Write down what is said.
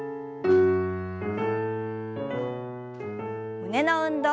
胸の運動。